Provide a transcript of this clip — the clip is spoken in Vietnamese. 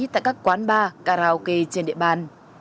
tại các quán bar karaoke trên địa bàn